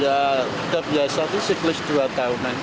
ya udah biasa sih siklus dua tahunan